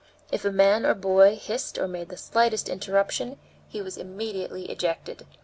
If a man or boy hissed or made the slightest interruption, he was immediately ejected.